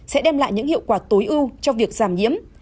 sẽ đem lại những hiệu quả tối ưu cho việc giảm nhiễm